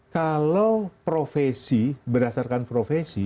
kalau profesi berdasarkan profesi